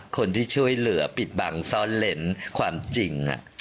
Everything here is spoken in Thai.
คนที่ช่วยเหลือปิดบังซ่อนเล้นความจริง